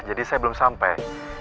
jadi saya belum sampai